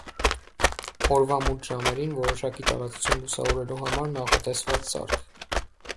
Օրվա մութ ժամերին որոշակի տարածություն լուսավորելու համար նախատեսված սարք։